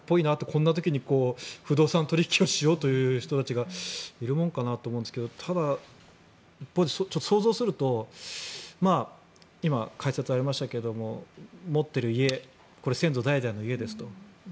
こんな時に不動産取引をしようとする人たちがいるものかなと思うんですがただ、一方で想像すると今、解説ありましたが持っている家これ、先祖代々の家ですと。